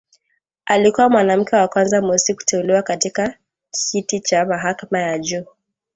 Alikuwa mwanamke wa kwanza mweusi kuteuliwa katika kiti cha mahakama ya juu